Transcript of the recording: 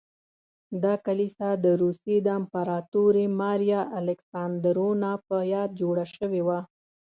دا کلیسا د روسیې د امپراتورې ماریا الکساندرونا په یاد جوړه شوې وه.